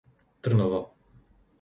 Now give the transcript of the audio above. Trnovo